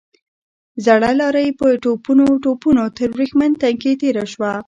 زړه لارۍ په ټوپونو ټوپونو تر ورېښمين تنګي تېره شوه.